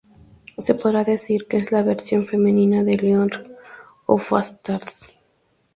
Se podría decir que es la versión femenina de Leonard Hofstadter.